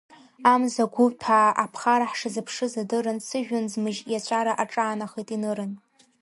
Амза гәылҭәаа аԥхара ҳшазыԥшыз адырын, сыжәҩан ӡмыжь иаҵәара аҿаанахеит инырын.